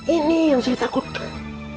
ini yang saya takutkan